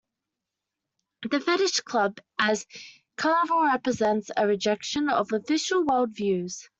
The fetish club as carnival represents a rejection of "official" world views.